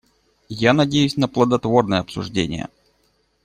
Я надеюсь на плодотворное обсуждение.